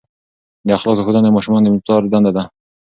د اخلاقو ښودنه د ماشومانو د پلار دنده ده.